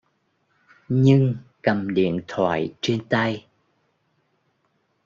Nhưng cầm điện thoại trên tay